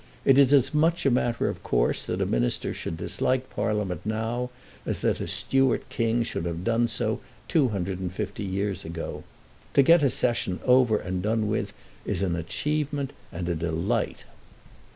It is as much a matter of course that a Minister should dislike Parliament now as that a Stuart King should have done so two hundred and fifty years ago. To get a Session over and done with is an achievement and a delight."